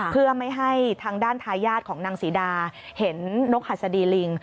เพื่อไม่ให้ทางด้านทายาทของนางศรีดาเห็นนกหัสดีลิง